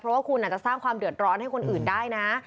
เพราะว่าคุณอาจจะสร้างความเดือดร้อนให้คนอื่นได้นะ